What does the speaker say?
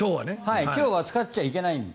今日は使っちゃいけない。